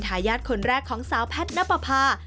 ทายาทคนแรกของสาวแพทย์นับประพา